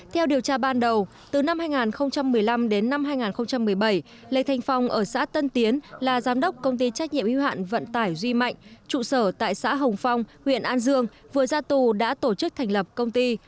theo điều tra ban đầu từ năm hai nghìn một mươi năm đến năm hai nghìn một mươi bảy lê thanh phong ở xã tân tiến là giám đốc công ty trách nhiệm hưu hạn vận tải duy mạnh trụ sở tại xã hồng phong huyện an dương vừa ra tù đã tổ chức thành lập công ty